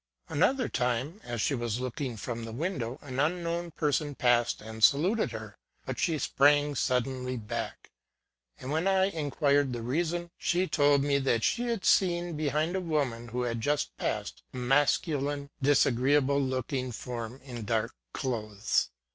Another time, as she was looking from the win dow, an unknown person passed and saluted her, but she sprang suddenly back ; and when I in quired the reason, she told me that she had seen, behind a woman who had just passed, a masculine disagreeable looking form, in dark clothes.